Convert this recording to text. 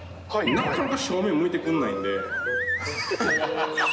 なかなか正面向いてくんないんで。